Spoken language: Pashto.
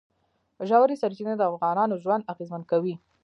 ژورې سرچینې د افغانانو ژوند اغېزمن کوي.